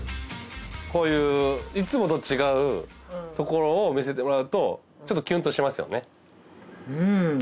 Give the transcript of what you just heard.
こういういつもと違うところを見せてもらうとちょっとキュンとしますよね。